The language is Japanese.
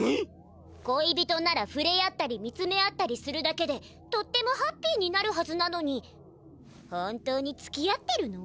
恋人ならふれ合ったり見つめ合ったりするだけでとってもハッピーになるはずなのに本当につきあってるの？